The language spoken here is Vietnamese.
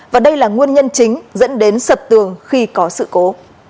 và đây là nguyên nhân chính dẫn đến sập tường khi có sự cố